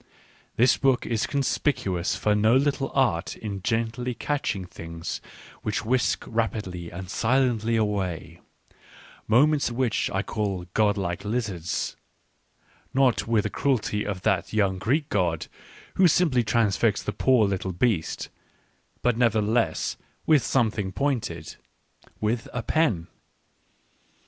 This book is conspicuous for no little art in gently catching things which whisk rapidly and silently away, moments which 1 call godlike lizards — not with the cruelty of that young Greek god who simply transfixed the poor little beast ; but nevertheless with something pointed — with a pen.